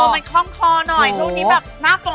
มันข้องคอหน่อยช่วงนี้ณะกล่น